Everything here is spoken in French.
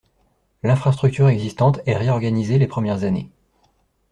L'infrastructure existante est réorganisée les premières années.